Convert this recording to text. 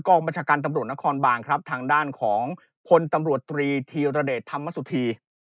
บัญชาการตำรวจนครบานครับทางด้านของพลตำรวจตรีธีรเดชธรรมสุธี